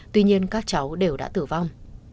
tuy nhiên các cháu đều đã tử vong